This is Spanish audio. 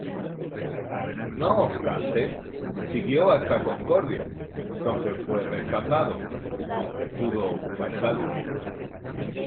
No obstante, siguió hasta Concordia, donde fue rechazado, aunque pudo ocupar Salto.